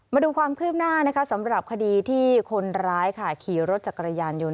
มาดูความคืบหน้านะคะสำหรับคดีที่คนร้ายค่ะขี่รถจักรยานยนต์